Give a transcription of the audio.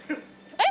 えっ？